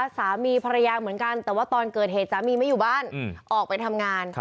สามีภรรยาเหมือนกันแต่ว่าตอนเกิดเหตุสามีไม่อยู่บ้านออกไปทำงาน